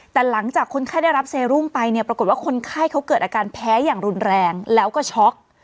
แต่หลังจากคนไข้ได้รับเซรุมไปเนี่ยปรากฏว่าคนไข้เขาเกิดอาการแพ้อย่างรุนแรงแล้วก็ช็อก